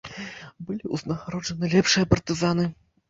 Былі ўзнагароджаны лепшыя партызаны.